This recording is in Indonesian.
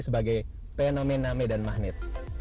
sebagai fenomena medan magnet